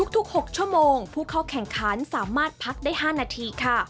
ทุก๖ชั่วโมงผู้เข้าแข่งขันสามารถพักได้๕นาทีค่ะ